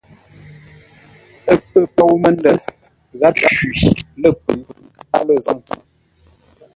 Ə́ pə̂ pôu məndə̂, gháp shwi lə̂ pʉ̌ʉ káa lə̂ zâŋ.